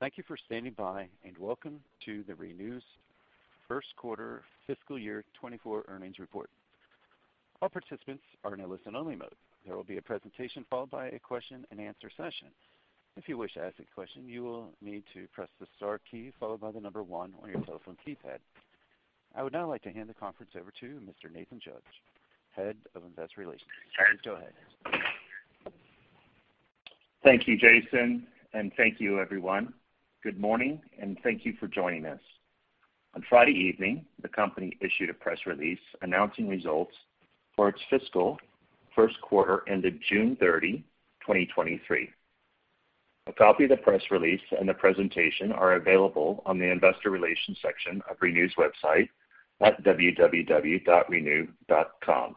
Thank you for standing by welcome to ReNew's Q1 fiscal year 2024 earnings report. All participants are in a listen-only mode. There will be a presentation followed by a question-and-answer session. If you wish to ask a question, you will need to press the star key followed by 1 on your telephone keypad. I would now like to hand the conference over to Mr. Nathan Judge, Head of Investor Relations. Please go ahead. Thank you, Jason, and thank you everyone. Good morning and thank you for joining us. On Friday evening, the company issued a press release announcing results for its fiscal Q1 ended June 30, 2023. A copy of the press release and the presentation are available on the investor relations section of ReNew's website at renew.com.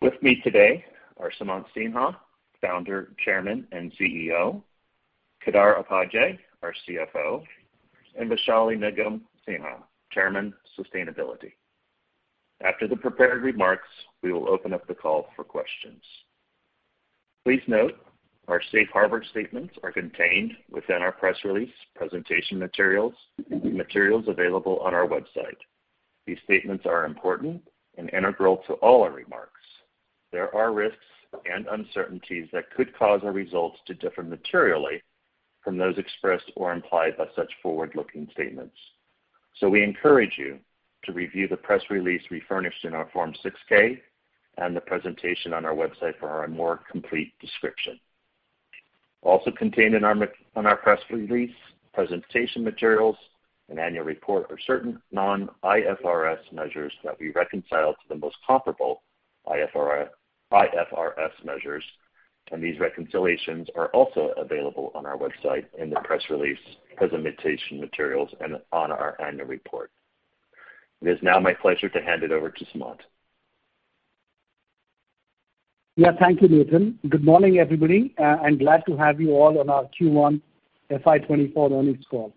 With me today are Sumant Sinha, Founder, Chairman, and CEO; Kailash Vaswani, our CFO; and Vaishali Nigam Sinha, Chairman, Sustainability. After the prepared remarks, we will open up the call for questions. Please note, our safe harbor statements are contained within our press release, presentation materials, materials available on our website. These statements are important and integral to all our remarks. There are risks and uncertainties that could cause our results to differ materially from those expressed or implied by such forward-looking statements. We encourage you to review the press release we furnished in our Form 6-K and the presentation on our website for a more complete description. Also contained on our press release, presentation materials, and annual report are certain non-IFRS measures that we reconcile to the most comparable IFRS measures, and these reconciliations are also available on our website in the press release, presentation materials, and on our annual report. It is now my pleasure to hand it over to Sumant. Yeah, thank you, Nathan. Good morning, everybody, I'm glad to have you all on our Q1 FY24 earnings call.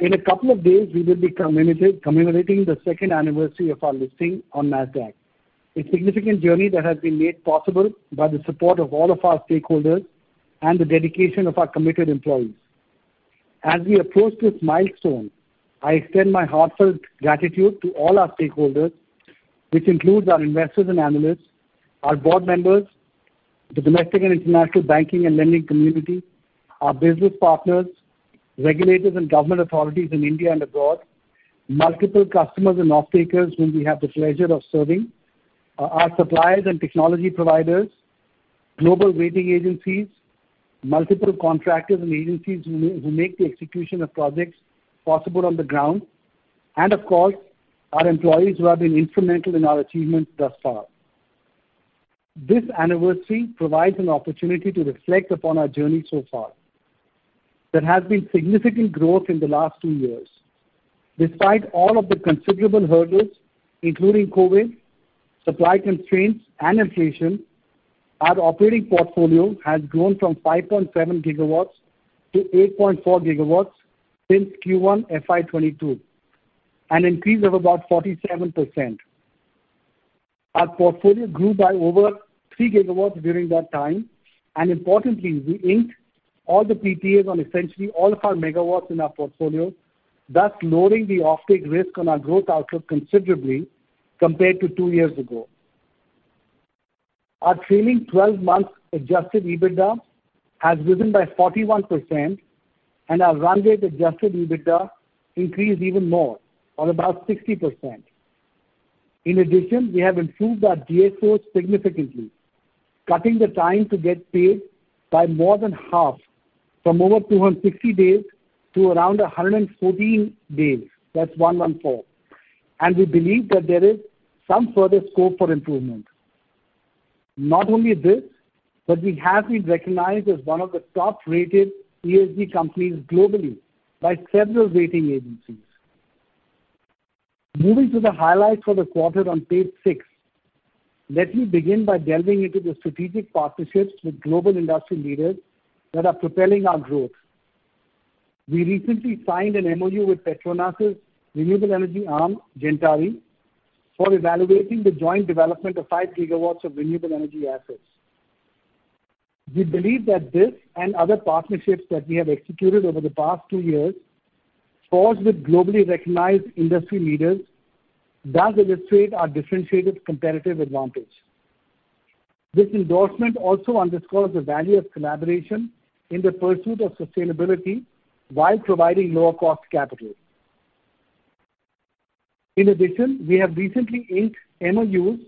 In a couple of days, we will be commemorating the 2nd anniversary of our listing on Nasdaq, a significant journey that has been made possible by the support of all of our stakeholders and the dedication of our committed employees. As we approach this milestone, I extend my heartfelt gratitude to all our stakeholders, which includes our investors and analysts, our board members, the domestic and international banking and lending community, our business partners, regulators and government authorities in India and abroad, multiple customers and off-takers whom we have the pleasure of serving, our suppliers and technology providers, global rating agencies, multiple contractors and agencies who make the execution of projects possible on the ground, and of course, our employees who have been instrumental in our achievements thus far. This anniversary provides an opportunity to reflect upon our journey so far. There has been significant growth in the last 2 years. Despite all of the considerable hurdles, including COVID, supply constraints, and inflation, our operating portfolio has grown from 5.7 gigawatts to 8.4 gigawatts since Q1 FY22, an increase of about 47%. Our portfolio grew by over 3 GW during that time, and importantly, we inked all the PPAs on essentially all of our megawatts in our portfolio, thus lowering the off-take risk on our growth outlook considerably compared to two years ago. Our trailing 12 months Adjusted EBITDA has risen by 41%, and our run rate Adjusted EBITDA increased even more, on about 60%. In addition, we have improved our DSOs significantly, cutting the time to get paid by more than half, from over 260 days to around 114 days. That's one one four. We believe that there is some further scope for improvement. Not only this, but we have been recognized as one of the top-rated ESG companies globally by several rating agencies. Moving to the highlights for the quarter on page 6. Let me begin by delving into the strategic partnerships with global industry leaders that are propelling our growth. We recently signed an MOU with Petronas' renewable energy arm, Gentari, for evaluating the joint development of 5 gigawatts of renewable energy assets. We believe that this and other partnerships that we have executed over the past 2 years, forged with globally recognized industry leaders, does illustrate our differentiated competitive advantage. This endorsement also underscores the value of collaboration in the pursuit of sustainability while providing lower-cost capital. We have recently inked MOUs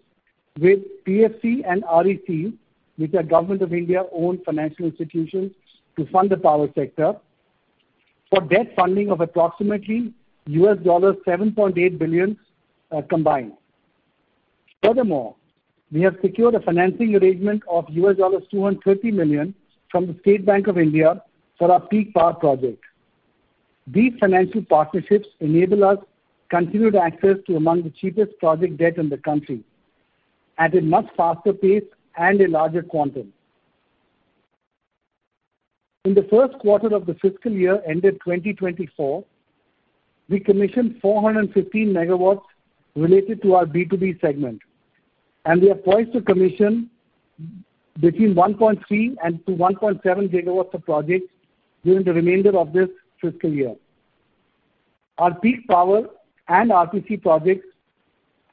with PFC and REC, which are Government of India-owned financial institutions to fund the power sector, for debt funding of approximately $7.8 billion combined. We have secured a financing arrangement of $250 million from the State Bank of India for our peak power project. These financial partnerships enable us continued access to among the cheapest project debt in the country at a much faster pace and a larger quantum. In the Q1 of the fiscal year ended 2024, we commissioned 415 megawatts related to our B2B segment, we are poised to commission between 1.3 and to 1.7 gigawatts of projects during the remainder of this fiscal year. Our peak power and RTC projects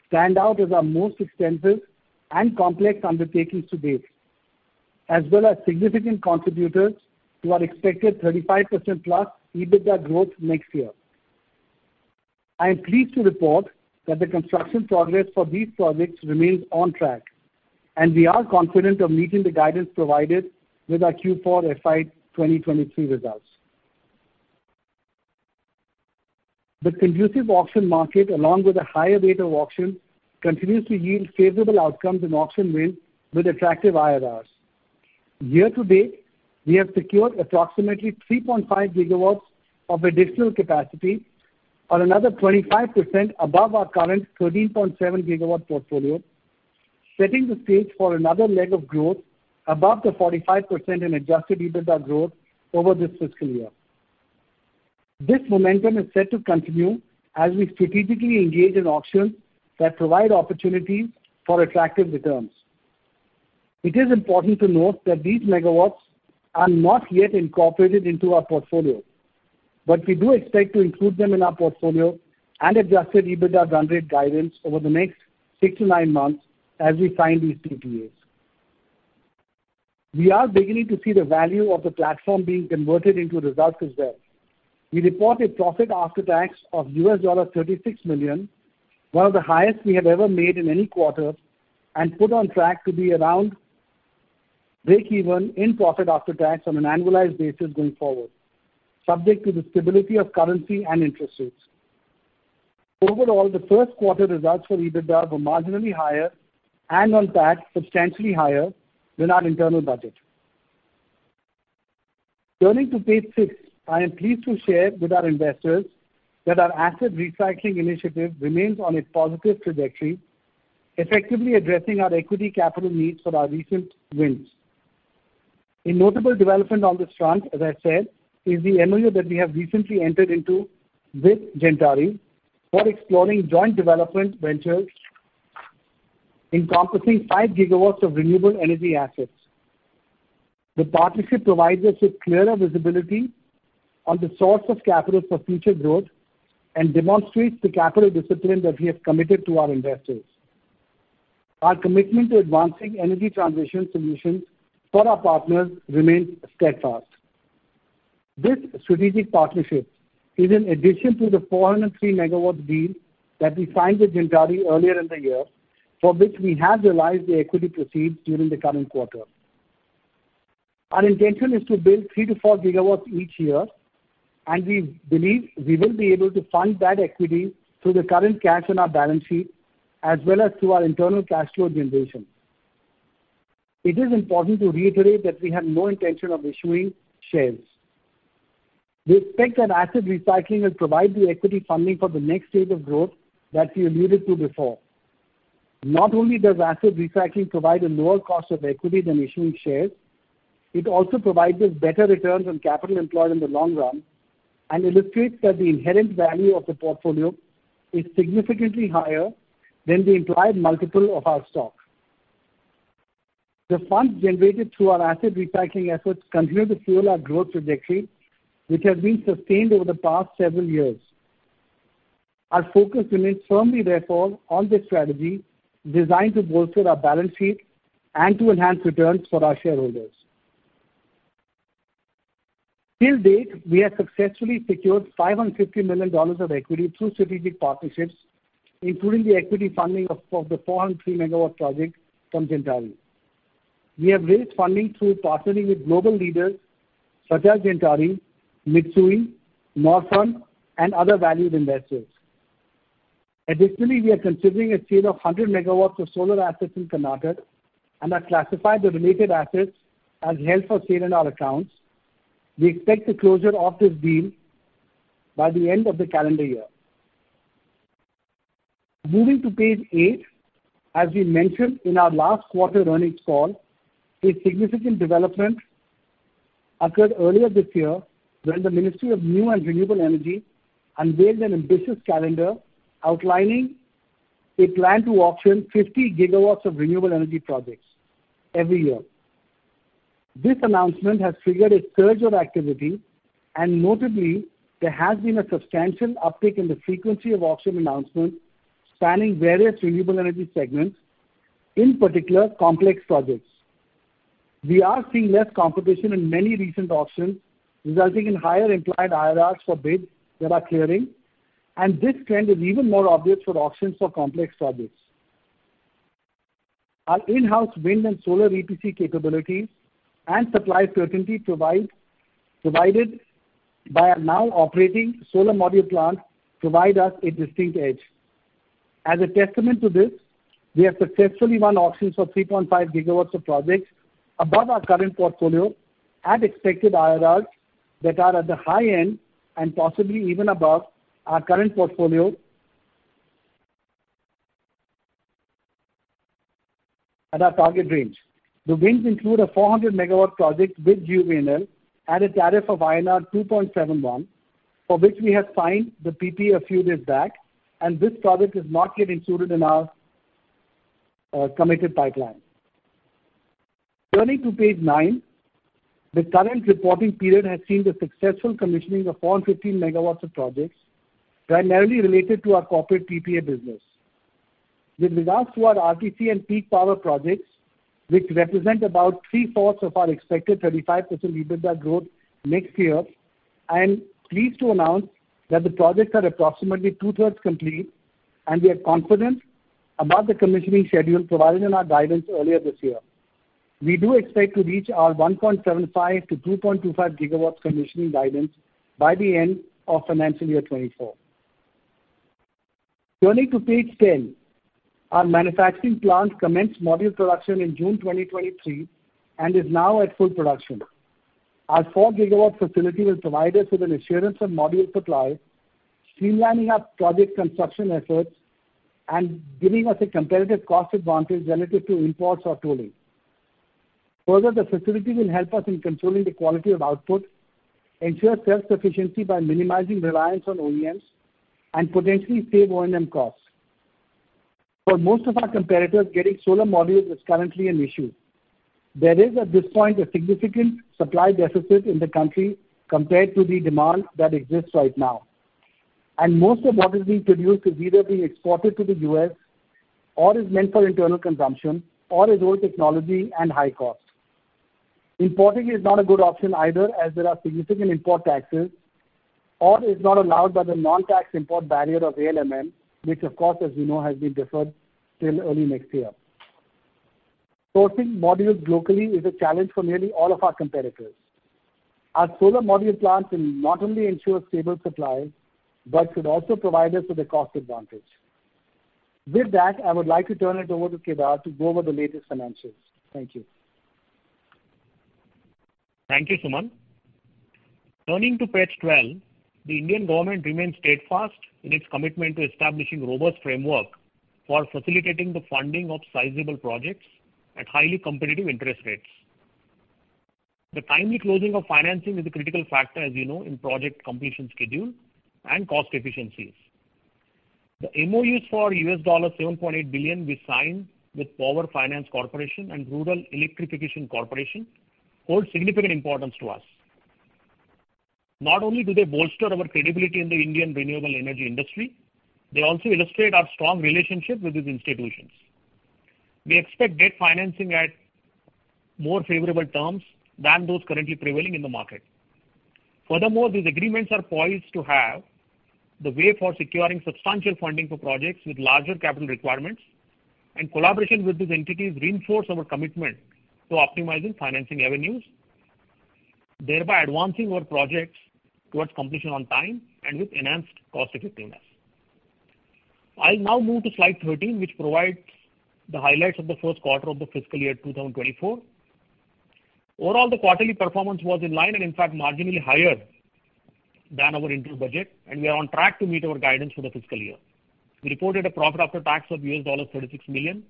stand out as our most extensive and complex undertakings to date, as well as significant contributors to our expected 35%+ EBITDA growth next year. I am pleased to report that the construction progress for these projects remains on track, and we are confident of meeting the guidance provided with our Q4 FY 2023 results. The conducive auction market, along with a higher rate of auction, continues to yield favorable outcomes in auction wins with attractive IRRs. Year to date, we have secured approximately 3.5 gigawatts of additional capacity, or another 25% above our current 13.7 gigawatt portfolio, setting the stage for another leg of growth above the 45% in Adjusted EBITDA growth over this fiscal year. This momentum is set to continue as we strategically engage in auctions that provide opportunities for attractive returns. It is important to note that these megawatts are not yet incorporated into our portfolio, but we do expect to include them in our portfolio and Adjusted EBITDA run rate guidance over the next 6-9 months as we sign these PPAs. We are beginning to see the value of the platform being converted into results as well. We reported profit after tax of $36 million, one of the highest we have ever made in any quarter, and put on track to be around breakeven in profit after tax on an annualized basis going forward, subject to the stability of currency and interest rates. Overall, the Q1 results for EBITDA were marginally higher and on tax, substantially higher than our internal budget. Turning to page 6, I am pleased to share with our investors that our asset recycling initiative remains on a positive trajectory, effectively addressing our equity capital needs for our recent wins. A notable development on this front, as I said, is the MOU that we have recently entered into with Gentari for exploring joint development ventures encompassing 5 GW of renewable energy assets. The partnership provides us with clearer visibility on the source of capital for future growth and demonstrates the capital discipline that we have committed to our investors. Our commitment to advancing energy transition solutions for our partners remains steadfast. This strategic partnership is in addition to the 403-megawatt deal that we signed with Gentari earlier in the year, for which we have realized the equity proceeds during the current quarter. Our intention is to build 3 to 4 gigawatts each year, and we believe we will be able to fund that equity through the current cash on our balance sheet, as well as through our internal cash flow generation. It is important to reiterate that we have no intention of issuing shares. We expect that asset recycling will provide the equity funding for the next stage of growth that we alluded to before. Not only does asset recycling provide a lower cost of equity than issuing shares, it also provides us better returns on capital employed in the long run and illustrates that the inherent value of the portfolio is significantly higher than the implied multiple of our stock. The funds generated through our asset recycling efforts continue to fuel our growth trajectory, which has been sustained over the past several years. Our focus remains firmly, therefore, on this strategy, designed to bolster our balance sheet and to enhance returns for our shareholders. Till date, we have successfully secured $550 million of equity through strategic partnerships, including the equity funding of the 403 megawatt project from Gentari. We have raised funding through partnering with global leaders such as Gentari, Mitsui, Northland, and other valued investors. Additionally, we are considering a sale of 100 megawatts of solar assets in Karnataka and have classified the related assets as held for sale in our accounts. We expect the closure of this deal by the end of the calendar year. Moving to page 8, as we mentioned in our last quarter earnings call, a significant development occurred earlier this year when the Ministry of New and Renewable Energy unveiled an ambitious calendar outlining a plan to auction 50 gigawatts of renewable energy projects every year. Notably, there has been a substantial uptick in the frequency of auction announcements spanning various renewable energy segments, in particular, complex projects. We are seeing less competition in many recent auctions, resulting in higher implied IRRs for bids that are clearing. This trend is even more obvious for auctions for complex projects. Our in-house wind and solar EPC capabilities and supply certainty provided by our now operating solar module plant, provide us a distinct edge. As a testament to this, we have successfully won auctions for 3.5 GW of projects above our current portfolio at expected IRRs that are at the high end and possibly even above our current portfolio at our target range. The wins include a 400 MW project with SJVN at a tariff of INR 2.71, for which we have signed the PPA a few days back, and this project is not yet included in our committed pipeline. Turning to page 9, the current reporting period has seen the successful commissioning of 415 MW of projects, primarily related to our corporate PPA business. With regards to our RTC and peak power projects, which represent about 3/4 of our expected 35% EBITDA growth next year, I am pleased to announce that the projects are approximately 2/3 complete, and we are confident about the commissioning schedule provided in our guidance earlier this year. We do expect to reach our 1.75 to 2.25 gigawatts commissioning guidance by the end of FY24. Turning to page 10, our manufacturing plant commenced module production in June 2023 and is now at full production. Our 4-gigawatt facility will provide us with an assurance of module supply, streamlining our project construction efforts, and giving us a competitive cost advantage relative to imports or tooling. Further, the facility will help us in controlling the quality of output, ensure self-sufficiency by minimizing reliance on OEMs, and potentially save O&M costs. For most of our competitors, getting solar modules is currently an issue. There is, at this point, a significant supply deficit in the country compared to the demand that exists right now, and most of what is being produced is either being exported to the US, or is meant for internal consumption, or is old technology and high cost. Importing is not a good option either, as there are significant import taxes, or is not allowed by the non-tax import barrier of ALMM, which of course, as you know, has been deferred till early next year. Sourcing modules locally is a challenge for nearly all of our competitors. Our solar module plant will not only ensure stable supply, but should also provide us with a cost advantage. With that, I would like to turn it over to Kailash to go over the latest financials. Thank you. Thank you, Sumant. Turning to page 12, the Indian government remains steadfast in its commitment to establishing robust framework for facilitating the funding of sizable projects at highly competitive interest rates. The timely closing of financing is a critical factor, as you know, in project completion schedule and cost efficiencies. The MOUs for $7.8 billion we signed with Power Finance Corporation and Rural Electrification Corporation, hold significant importance to us. Not only do they bolster our credibility in the Indian renewable energy industry, they also illustrate our strong relationship with these institutions. We expect debt financing at more favorable terms than those currently prevailing in the market. Furthermore, these agreements are poised to pave the way for securing substantial funding for projects with larger capital requirements, and collaboration with these entities reinforces our commitment to optimizing financing avenues, thereby advancing our projects towards completion on time and with enhanced cost effectiveness. I'll now move to slide 13, which provides the highlights of the Q1 of the fiscal year 2024. Overall, the quarterly performance was in line, and in fact, marginally higher than our internal budget. We are on track to meet our guidance for the fiscal year. We reported a profit after tax of $36 million,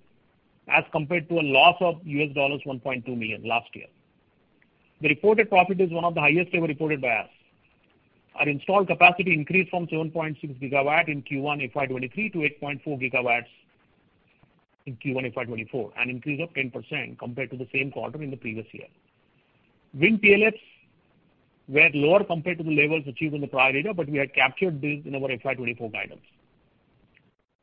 as compared to a loss of $1.2 million last year. The reported profit is one of the highest ever reported by us. Our installed capacity increased from 7.6 gigawatt in Q1 FY23 to 8.4 gigawatts in Q1 FY24, an increase of 10% compared to the same quarter in the previous year. Wind PLFs were at lower comparable levels achieved in the prior data, but we had captured these in our FY24 guidance.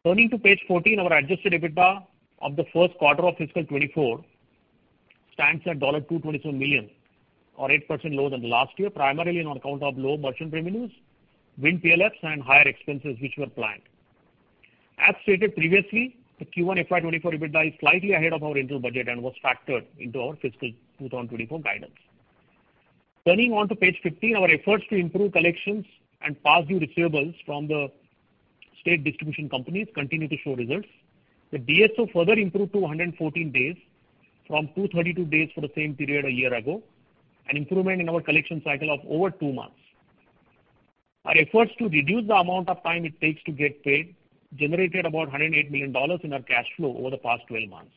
Turning to page 14, our Adjusted EBITDA of the Q1 of fiscal 2024 stands at $227 million, or 8% lower than last year, primarily on account of lower merchant revenues, wind PLFs, and higher expenses, which were planned. As stated previously, the Q1 FY24 EBITDA is slightly ahead of our internal budget and was factored into our fiscal 2024 guidance. Turning on to page 15, our efforts to improve collections and past due receivables from the state distribution companies continue to show results. The DSO further improved to 114 days, from 232 days for the same period a year ago, an improvement in our collection cycle of over two months. Our efforts to reduce the amount of time it takes to get paid generated about $108 million in our cash flow over the past 12 months.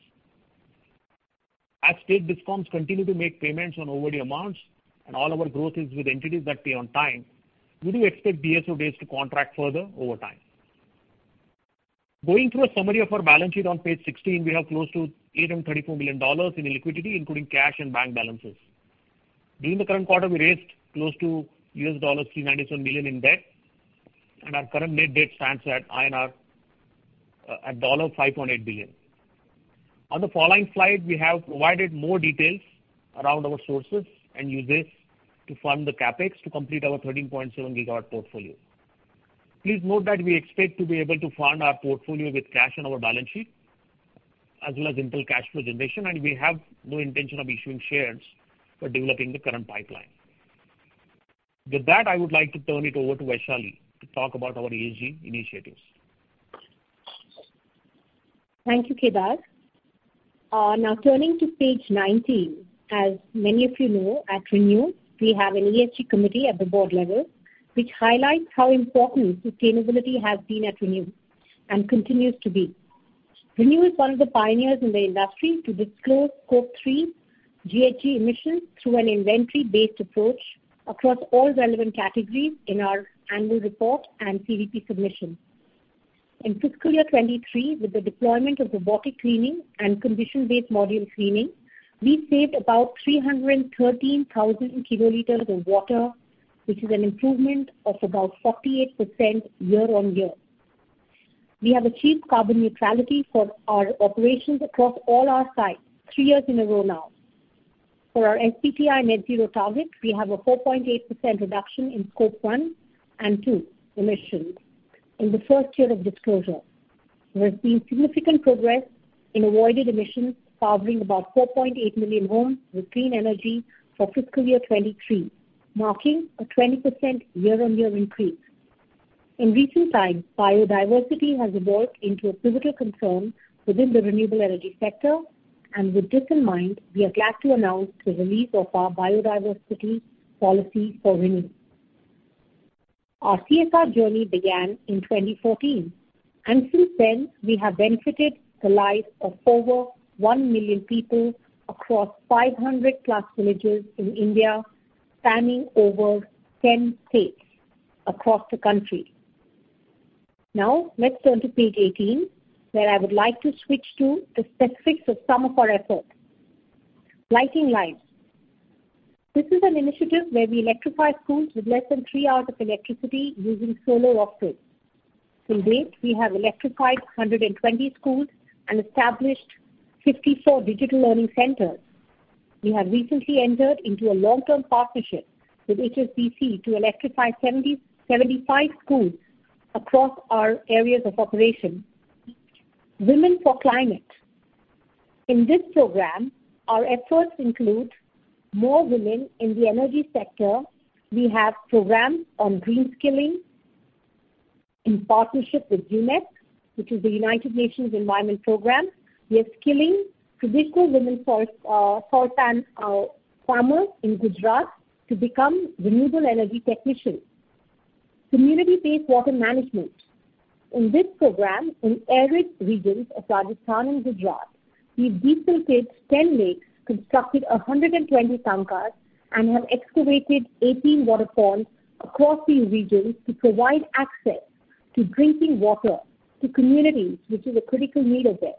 As state discounts continue to make payments on overdue amounts, and all our growth is with entities that pay on time, we do expect DSO days to contract further over time. Going through a summary of our balance sheet on page 16, we have close to $834 million in liquidity, including cash and bank balances. During the current quarter, we raised close to $397 million in debt, and our current net debt stands at INR, at $5.8 billion. On the following slide, we have provided more details around our sources and uses to fund the CapEx to complete our 13.7 gigawatt portfolio. Please note that we expect to be able to fund our portfolio with cash on our balance sheet, as well as internal cash flow generation. We have no intention of issuing shares for developing the current pipeline. With that, I would like to turn it over to Vaishali to talk about our ESG initiatives. Thank you, Kailash. Now turning to page 19. As many of you know, at ReNew, we have an ESG committee at the board level, which highlights how important sustainability has been at ReNew and continues to be.... ReNew is one of the pioneers in the industry to disclose Scope 3 GHG emissions through an inventory-based approach across all relevant categories in our annual report and CDP submission. In fiscal year 2023, with the deployment of robotic cleaning and condition-based module cleaning, we saved about 313,000 kiloliters of water, which is an improvement of about 48% year-on-year. We have achieved carbon neutrality for our operations across all our sites 3 years in a row now. For our SPPI net zero target, we have a 4.8% reduction in Scope 1 and 2 emissions in the 1st year of disclosure. We have seen significant progress in avoided emissions, powering about 4.8 million homes with clean energy for fiscal year 2023, marking a 20% year-on-year increase. In recent times, biodiversity has evolved into a pivotal concern within the renewable energy sector, and with this in mind, we are glad to announce the release of our biodiversity policy for ReNew. Our CSR journey began in 2014, and since then, we have benefited the lives of over 1 million people across 500+ villages in India, spanning over 10 states across the country. Let's turn to page 18, where I would like to switch to the specifics of some of our efforts. Lighting Lives. This is an initiative where we electrify schools with less than three hours of electricity using solar offsets. To date, we have electrified 120 schools and established 54 digital learning centers. We have recently entered into a long-term partnership with HSBC to electrify 70-75 schools across our areas of operation. Women for Climate. In this program, our efforts include more women in the energy sector. We have programs on green skilling in partnership with UNEP, which is the United Nations Environment Programme. We are skilling traditional women for, for farmers in Gujarat to become renewable energy technicians. Community-based water management. In this program, in arid regions of Rajasthan and Gujarat, we've desilted 10 lakes, constructed 120 tankas, and have excavated 18 waterfalls across these regions to provide access to drinking water to communities, which is a critical need of theirs.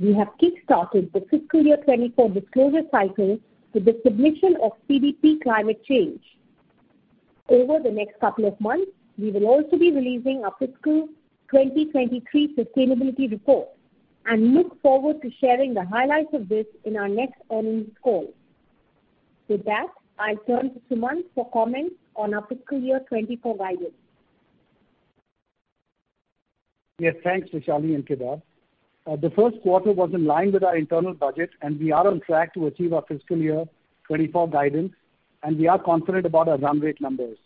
We have kickstarted the FY24 disclosure cycle with the submission of CDP climate change. Over the next couple of months, we will also be releasing our fiscal 2023 sustainability report and look forward to sharing the highlights of this in our next earnings call. With that, I turn to Sumant for comments on our fiscal year 2024 guidance. Yes, thanks, Vaishali and Kailash. The Q1 was in line with our internal budget, and we are on track to achieve our FY24 guidance, and we are confident about our run rate numbers.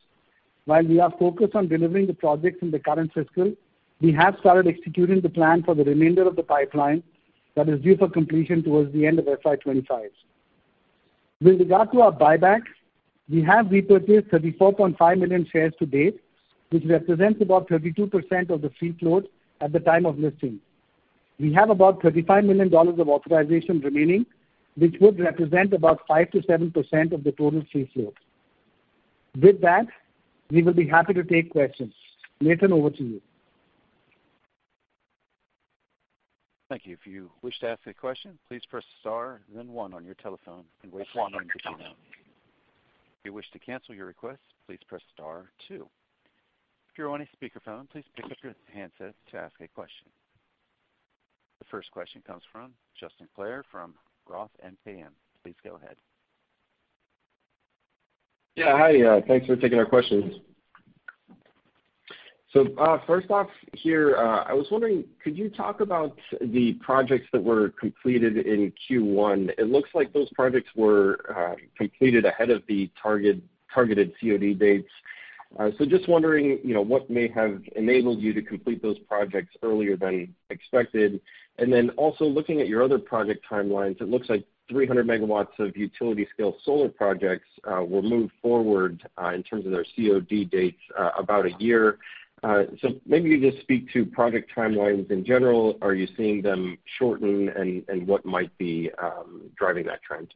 While we are focused on delivering the projects in the current fiscal, we have started executing the plan for the remainder of the pipeline that is due for completion towards the end of FY25. With regard to our buybacks, we have repurchased 34.5 million shares to date, which represents about 32% of the free float at the time of listing. We have about $35 million of authorization remaining, which would represent about 5 to 7% of the total free float. With that, we will be happy to take questions. Nathan, over to you. Thank you. If you wish to ask a question, please press star then 1 on your telephone and wait for instructions. If you wish to cancel your request, please press star 2. If you're on a speakerphone, please pick up your handsets to ask a question. The first question comes from Justin Clare from Roth MKM. Please go ahead. Yeah, hi. Thanks for taking our questions. First off here, I was wondering, could you talk about the projects that were completed in Q1? It looks like those projects were completed ahead of the target, targeted COD dates. Just wondering, you know, what may have enabled you to complete those projects earlier than expected. Also looking at your other project timelines, it looks like 300 MW of utility scale solar projects were moved forward in terms of their COD dates about a year. Maybe you just speak to project timelines in general. Are you seeing them shorten, and, and what might be driving that trend?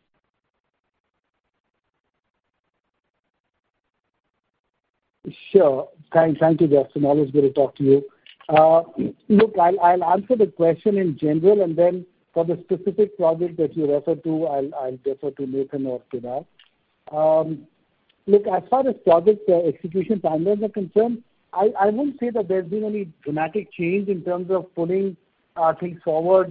Sure. Thank, thank you, Justin. Always good to talk to you. Look, I'll, I'll answer the question in general, and then for the specific project that you referred to, I'll, I'll defer to Nathan or Kailash. Look, as far as project execution timelines are concerned, I, I won't say that there's been any dramatic change in terms of pulling things forward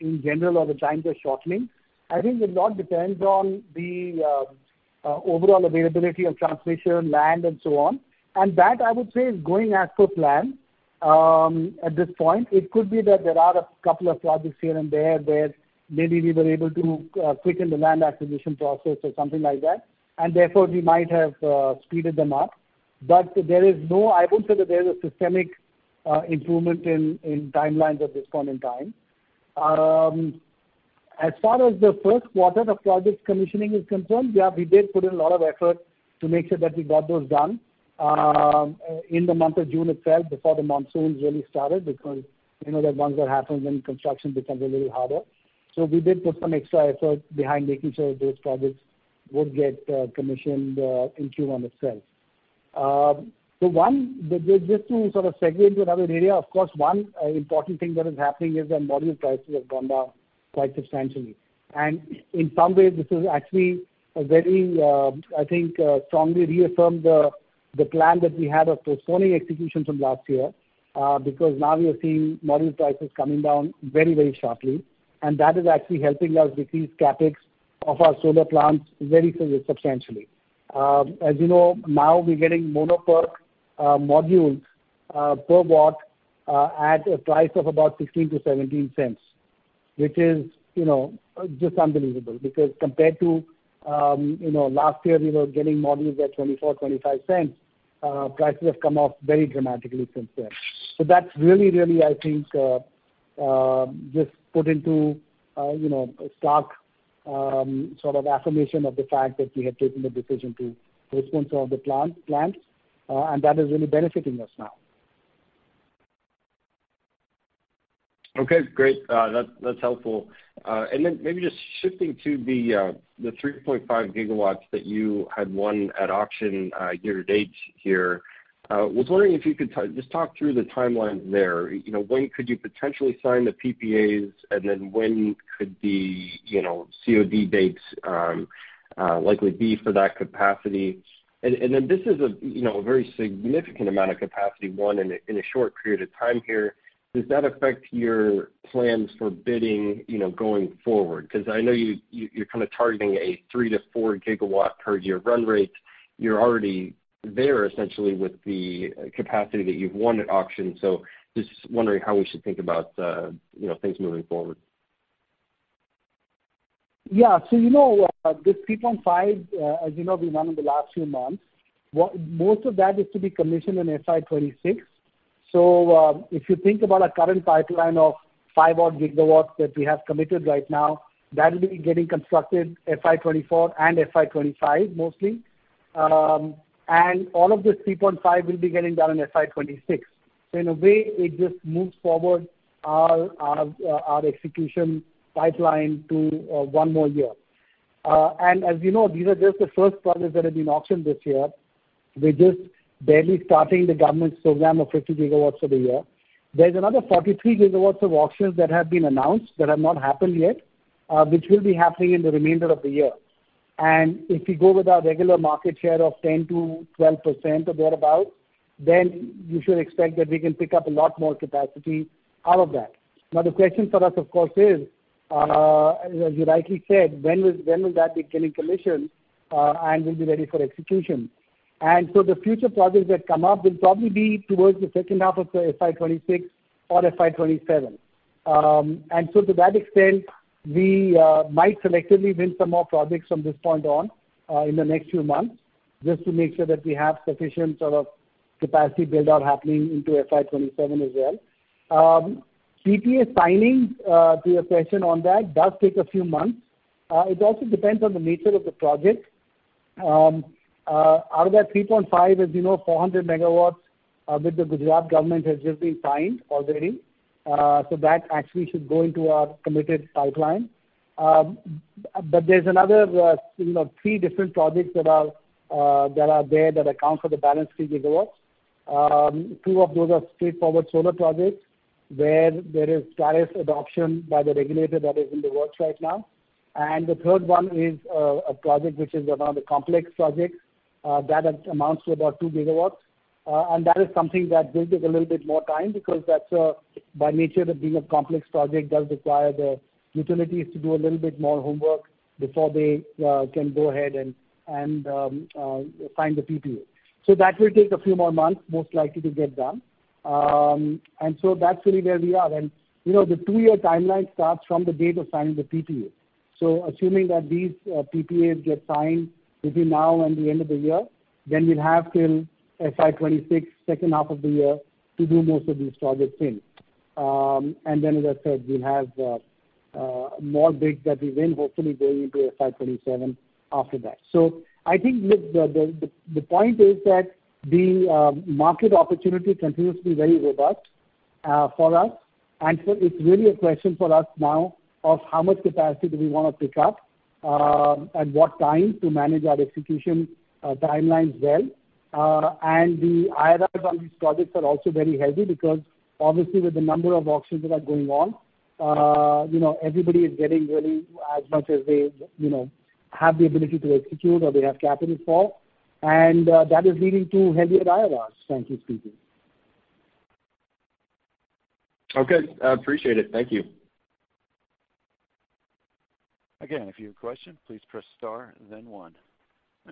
in general or the timelines are shortening. I think a lot depends on the overall availability of transmission, land, and so on. That, I would say, is going as per plan at this point. It could be that there are a couple of projects here and there, where maybe we were able to quicken the land acquisition process or something like that, and therefore we might have speeded them up. There is no. I won't say that there is a systemic improvement in, in timelines at this point in time. As far as the Q1 of projects commissioning is concerned, yeah, we did put in a lot of effort to make sure that we got those done in the month of June itself, before the monsoons really started, because you know that once that happens, then construction becomes a little harder. We did put some extra effort behind making sure those projects would get commissioned in Q1 itself. One, just, just to sort of segue into another area, of course, one, important thing that is happening is that module prices have gone down quite substantially. In some ways, this is actually a very, I think, strongly reaffirmed the, the plan that we had of postponing execution from last year, because now we are seeing module prices coming down very, very sharply, and that is actually helping us decrease CapEx of our solar plants very substantially. As you know, now we're getting Mono PERC modules per watt at a price of about $0.16-$0.17, which is, you know, just unbelievable, because compared to, you know, last year, we were getting modules at $0.24 to 0.25, prices have come off very dramatically since then. That's really, really, I think, just put into, you know, a stark sort of affirmation of the fact that we had taken the decision to postpone some of the plant, plants, and that is really benefiting us now. Okay, great. That's, that's helpful. Then maybe just shifting to the 3.5 GW that you had won at auction year-to-date here. Was wondering if you could just talk through the timeline there. You know, when could you potentially sign the PPAs, then when could the, you know, COD dates likely be for that capacity? Then this is a, you know, a very significant amount of capacity won in a, in a short period of time here. Does that affect your plans for bidding, you know, going forward? Because I know you, you, your kind of targeting a 3 to 4 GW per year run rate. You're already there essentially with the capacity that you've won at auction. Just wondering how we should think about, you know, things moving forward. Yeah. You know, this 3.5, as you know, we won in the last few months, most of that is to be commissioned in FY 2026. If you think about our current pipeline of 5 odd gigawatts that we have committed right now, that'll be getting constructed FY 2024 and FY 2025, mostly. All of this 3.5 will be getting done in FY 2026. In a way, it just moves forward our, our, our execution pipeline to one more year. As you know, these are just the first projects that have been auctioned this year. We're just barely starting the government's program of 50 gigawatts for the year. There's another 43 gigawatts of auctions that have been announced, that have not happened yet, which will be happening in the remainder of the year. If you go with our regular market share of 10 to 12% or thereabout, then you should expect that we can pick up a lot more capacity out of that. Now, the question for us, of course, is, as you rightly said, when will, when will that be getting commissioned, and we'll be ready for execution? The future projects that come up will probably be towards the H2 of the FY26 or FY27. To that extent, we might selectively win some more projects from this point on, in the next few months, just to make sure that we have sufficient sort of capacity build-out happening into FY27 as well. PPA signing to your question on that, does take a few months. It also depends on the nature of the project. Out of that 3.5, as you know, 400 MW, with the Gujarat government, has just been signed already. That actually should go into our committed pipeline. There's another, you know, three different projects that are there that account for the balance 3 GW. Two of those are straightforward solar projects, where there is tariff adoption by the regulator that is in the works right now. The third one is a project which is one of the complex projects that amounts to about 2 GW. That is something that will take a little bit more time because that's by nature, that being a complex project, does require the utilities to do a little bit more homework before they can go ahead and sign the PPA. That will take a few more months, most likely, to get done. That's really where we are. You know, the 2-year timeline starts from the date of signing the PPA. Assuming that these PPAs get signed between now and the end of the year, then we'll have till FY26, H2 of the year, to do most of these projects in. As I said, we'll have more bids that we win, hopefully going into FY27 after that. I think the, the, the, the point is that the market opportunity continues to be very robust for us, it's really a question for us now of how much capacity do we want to pick up at what time to manage our execution timelines well. The IRRs on these projects are also very healthy because obviously, with the number of auctions that are going on, you know, everybody is getting really as much as they, you know, have the ability to execute or they have capital for, and that is leading to heavier IRRs, frankly speaking. Okay, I appreciate it. Thank you. If you have a question, please press star 1.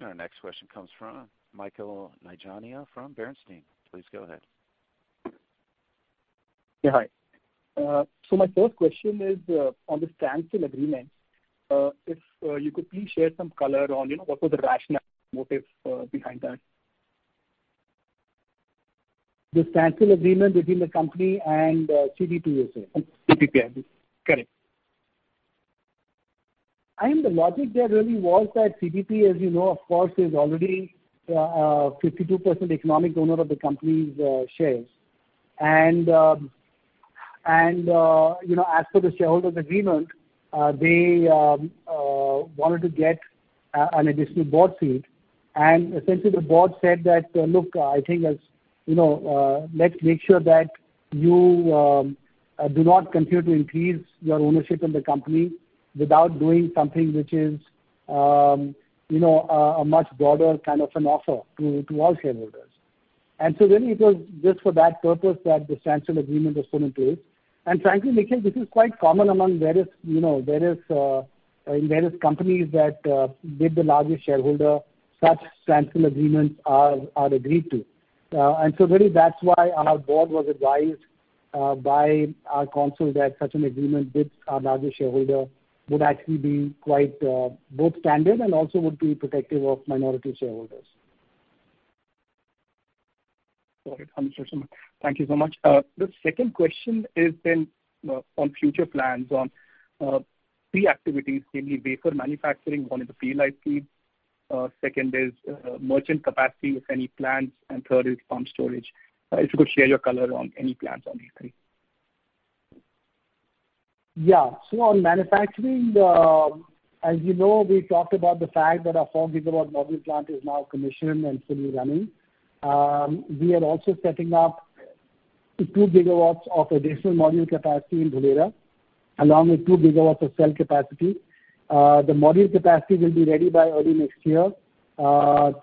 Our next question comes from Nikhil Nigania from Bernstein. Please go ahead. Yeah, hi. My first question is, on the standstill agreement, if you could please share some color on, you know, what was the rationale motives behind that?... the standstill agreement between the company and CPPIB. CPPIB, correct. I think the logic there really was that CDP, as you know, of course, is already 52% economic owner of the company's shares. you know, as for the shareholders agreement, they wanted to get an additional board seat. Essentially the board said that, "Look, I think as, you know, let's make sure that you do not continue to increase your ownership in the company without doing something which is, you know, a much broader kind of an offer to all shareholders." Really it was just for that purpose that the standstill agreement was put in place. Frankly, Nikhil, this is quite common among various, you know, various companies that with the largest shareholder, such standstill agreements are agreed to. Really, that's why our board was advised by our counsel that such an agreement with our largest shareholder would actually be quite both standard and also would be protective of minority shareholders. All right, thank you so much. The second question is then, on future plans on 3 activities, mainly wafer manufacturing: 1 is the PLI scheme, 2 is merchant capacity, if any plans, 3 is pump storage. If you could share your color on any plans on these 3. Yeah. On manufacturing, as you know, we talked about the fact that our 4 gigawatt module plant is now commissioned and fully running. We are also setting up 2 gigawatts of additional module capacity in Dholera, along with 2 gigawatts of cell capacity. The module capacity will be ready by early next year,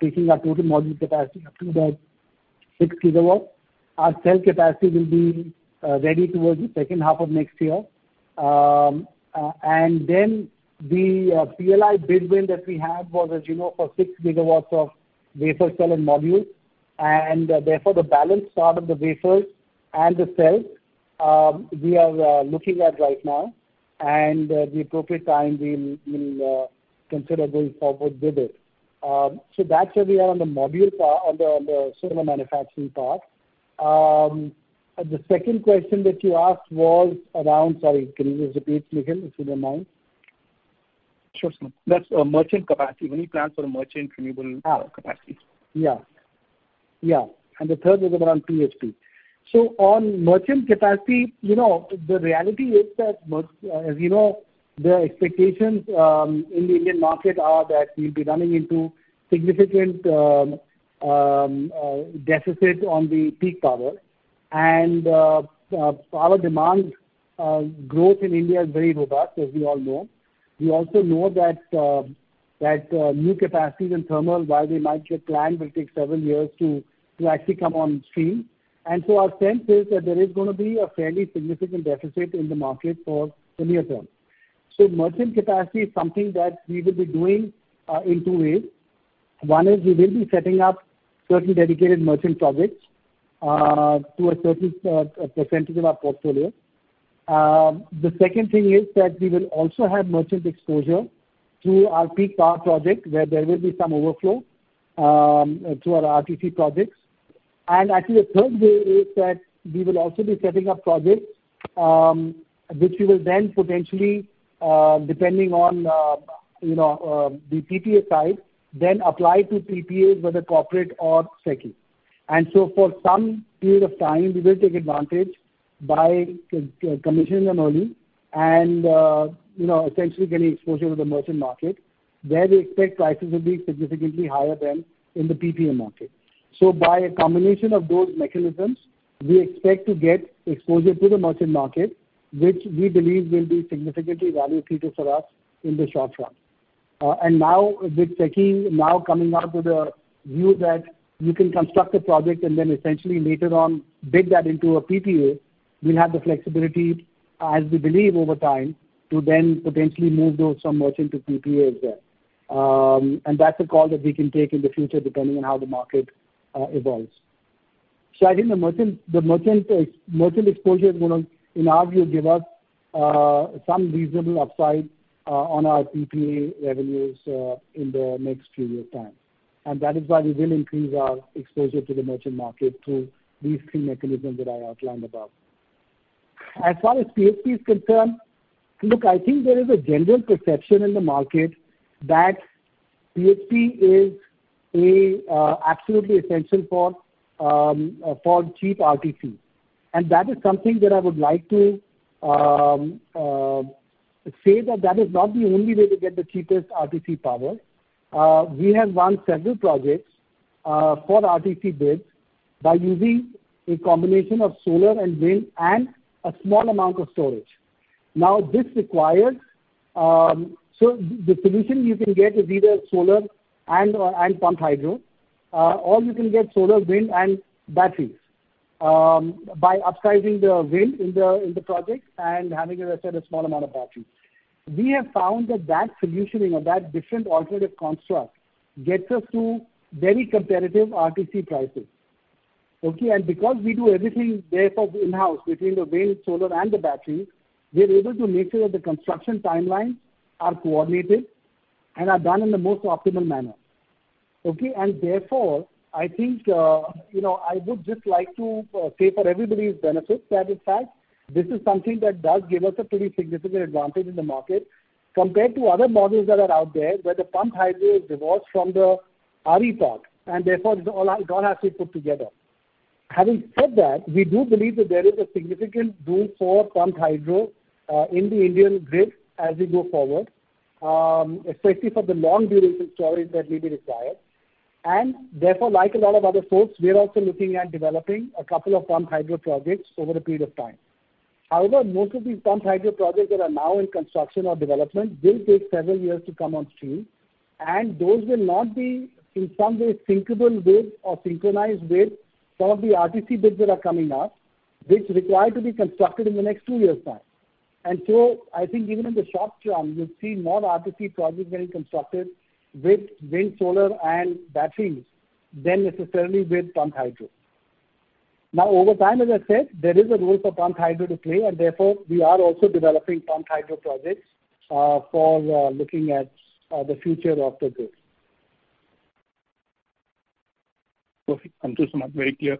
taking our total module capacity up to the 6 gigawatts. Our cell capacity will be ready towards the H2 of next year. The PLI bid win that we had was, as you know, for 6 gigawatts of wafer, cell, and modules. Therefore, the balance part of the wafers and the cells, we are looking at right now, and the appropriate time we'll, we'll consider going forward with it. That's where we are on the module part, on the, on the solar manufacturing part. The second question that you asked was around. Sorry, can you just repeat, Nikhil, if you don't mind? Sure, sir. That's merchant capacity. Any plans for a merchant renewable- -capacity? Yeah. Yeah, the third is around PHP. On merchant capacity, you know, the reality is that merch- as you know, the expectations, in the Indian market are that we'll be running into significant deficits on the peak power. Power demand growth in India is very robust, as we all know. We also know that new capacities in thermal, while they might get planned, will take several years to, to actually come on stream. Our sense is that there is gonna be a fairly significant deficit in the market for the near term. Merchant capacity is something that we will be doing in two ways. One is we will be setting up certain dedicated merchant projects to a certain percentage of our portfolio. The second thing is that we will also have merchant exposure to our peak power project, where there will be some overflow to our RTC projects. Actually, a third way is that we will also be setting up projects, which we will then potentially, depending on, you know, the PPA side, then apply to PPAs, whether corporate or SECI. For some period of time, we will take advantage by commissioning them early and, you know, essentially getting exposure to the merchant market, where we expect prices will be significantly higher than in the PPA market. By a combination of those mechanisms, we expect to get exposure to the merchant market, which we believe will be significantly value creative for us in the short run. Now with SECI now coming out with a view that you can construct a project and then essentially later on build that into a PPA, we have the flexibility, as we believe over time, to then potentially move those from merchant to PPAs there. That's a call that we can take in the future, depending on how the market evolves. I think the merchant, the merchant exposure is gonna, in our view, give us some reasonable upside on our PPA revenues in the next few years' time. That is why we will increase our exposure to the merchant market through these three mechanisms that I outlined above. As far as PHP is concerned, look, I think there is a general perception in the market that PHP is a absolutely essential for cheap RTC. That is something that I would like to say that that is not the only way to get the cheapest RTC power. We have won several projects for RTC bids by using a combination of solar and wind and a small amount of storage. Now, this requires. So, the solution you can get is either solar and/or and pumped hydro, or you can get solar, wind, and batteries by upsizing the wind in the project and having, as I said, a small amount of batteries. We have found that that solutioning or that different alternative construct gets us to very competitive RTC prices. Okay. Because we do everything therefore in-house, between the wind, solar, and the batteries, we're able to make sure that the construction timelines are coordinated and are done in the most optimal manner. Okay? Therefore, I think, you know, I would just like to say for everybody's benefit, that in fact, this is something that does give us a pretty significant advantage in the market compared to other models that are out there, where the pumped hydro is divorced from the RE part, and therefore it is all, all has to be put together. Having said that, we do believe that there is a significant role for pumped hydro in the Indian grid as we go forward, especially for the long-duration storage that may be required. Therefore, like a lot of other folks, we are also looking at developing a couple of pumped hydro projects over a period of time. Most of these pumped hydro projects that are now in construction or development will take several years to come on stream, and those will not be, in some way, syncable with or synchronized with some of the RTC bids that are coming up, which require to be constructed in the next 2 years' time. I think even in the short term, you'll see more RTC projects being constructed with wind, solar, and batteries than necessarily with pumped hydro. Over time, as I said, there is a role for pumped hydro to play, and therefore we are also developing pumped hydro projects for looking at the future of the grid. Perfect. Thank you so much. Very clear.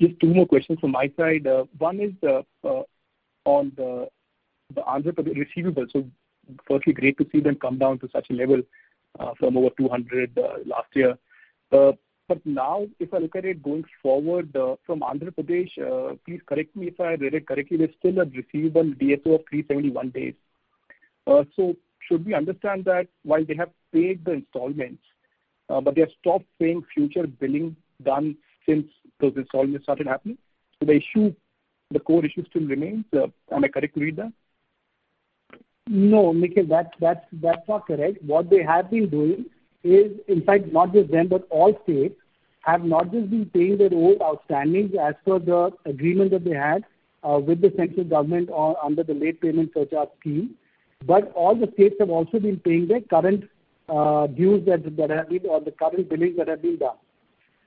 Just two more questions from my side. One is the on the Andhra Pradesh receivables. Firstly, great to see them come down to such a level, from over 200, last year. Now, if I look at it going forward, from Andhra Pradesh, please correct me if I read it correctly, they still have receivable DSO of 371 days. Should we understand that while they have paid the installments, but they have stopped paying future billing done since those installments started happening? The core issue still remains, am I correct to read that? No, Nikhil, that's, that's, that's not correct. What they have been doing is, in fact, not just them, but all states, have not just been paying their old outstandings as per the agreement that they had with the central government under the Late Payment Surcharge scheme. All the states have also been paying their current dues that have been, or the current billings that have been done.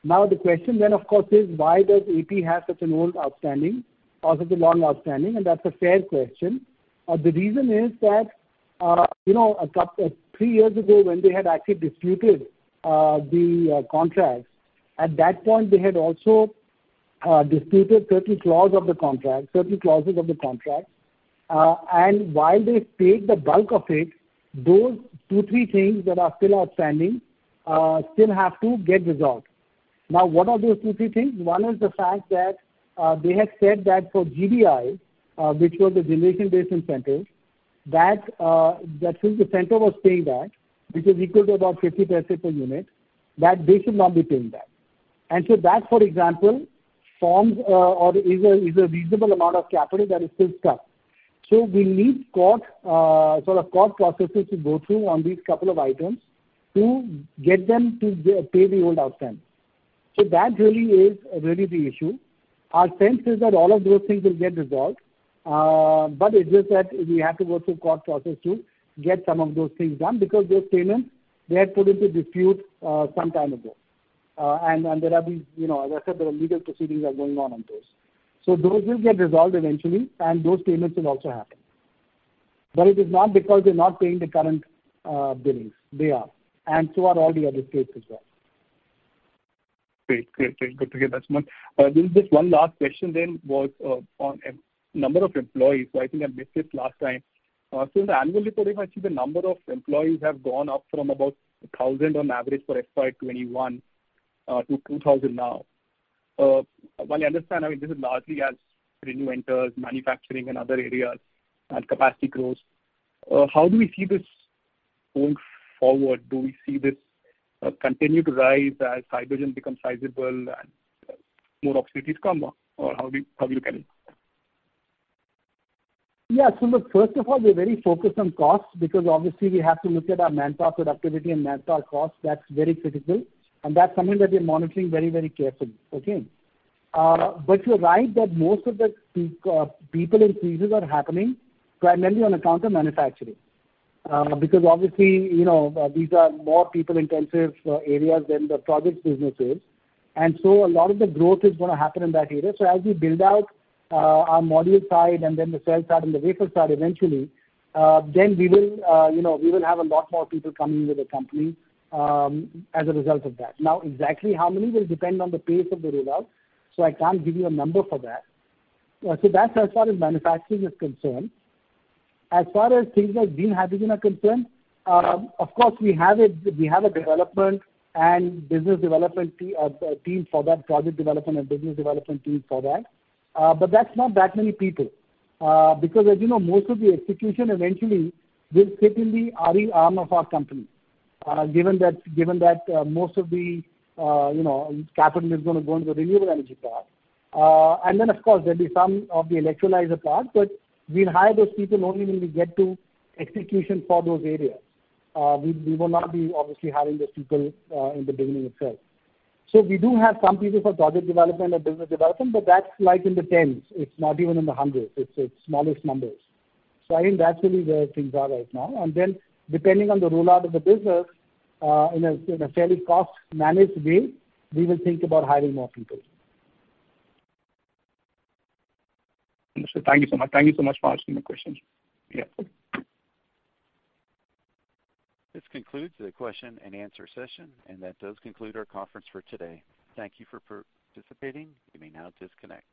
The question then, of course, is why does AP have such an old outstanding, or such a long outstanding? That's a fair question. The reason is that, you know, a couple- three years ago, when they had actually disputed the contract, at that point, they had also disputed certain clauses of the contract. While they paid the bulk of it, those 2, 3 things that are still outstanding still have to get resolved. What are those 2, 3 things? One is the fact that they had said that for GBI, which was the Generation-Based Incentive, that since the center was paying that, which is equal to about 0.50 per unit, that they should not be paying that. That, for example, forms or is a reasonable amount of capital that is still stuck. We need court, sort of court processes to go through on these couple of items to get them to pay the old outstanding. That really is really the issue. Our sense is that all of those things will get resolved, it's just that we have to go through court process to get some of those things done, because those payments, they had put into dispute, some time ago. There are these, you know, as I said, there are legal proceedings are going on those. Those will get resolved eventually, and those payments will also happen. It is not because they're not paying the current billings. They are, and so are all the other states as well. Great. Great, great. Good to hear that, Sumant. There's just one last question then, was on a number of employees. I think I missed this last time. In the annual report, if I see the number of employees have gone up from about 1,000 on average for FY21 to 2,000 now. While I understand, I mean, this is largely as ReNew enters manufacturing and other areas and capacity grows, how do we see this going forward? Do we see this continue to rise as hydrogen becomes sizable and more opportunities come up? How do you, how do you look at it? Yeah, look, first of all, we're very focused on costs, because obviously we have to look at our manpower productivity and manpower costs. That's very critical. That's something that we're monitoring very, very carefully, okay? You're right that most of the people increases are happening primarily on account of manufacturing. Because obviously, you know, these are more people-intensive areas than the projects businesses, a lot of the growth is going to happen in that area. As we build out our module side and then the cell side and the wafer side eventually, we will, you know, we will have a lot more people coming into the company as a result of that. Now, exactly how many will depend on the pace of the rollout. I can't give you a number for that. That's as far as manufacturing is concerned. As far as things like green hydrogen are concerned, of course, we have a, we have a development and business development team for that, project development and business development team for that. That's not that many people, because as you know, most of the execution eventually will sit in the RE arm of our company. Given that, given that, most of the, you know, capital is going to go into the renewable energy part. Then, of course, there'll be some of the electrolyzer part, but we'll hire those people only when we get to execution for those areas. We, we will not be obviously hiring those people in the beginning itself. We do have some people for project development and business development, but that's like in the tens. It's not even in the hundreds. It's smallest numbers. I think that's really where things are right now. Then depending on the rollout of the business, in a fairly cost-managed way, we will think about hiring more people. Thank you so much. Thank you so much for asking the questions. Yeah. This concludes the question-and-answer session, and that does conclude our conference for today. Thank you for participating. You may now disconnect.